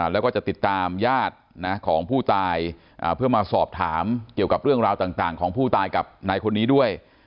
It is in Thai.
แล้วก็จะติดตามญาติของผู้ตายเพื่อมาสอบถามเกี่ยวกับเรื่องราวต่างของผู้ตายกับนายคนนี้ด้วย